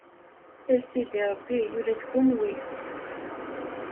A Sidi Ṛebbi, ula d kenwi?